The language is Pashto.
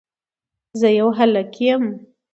زه يو هلک يم